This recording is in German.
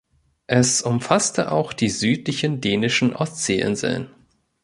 Es umfasste auch die südlichen dänischen Ostseeinseln.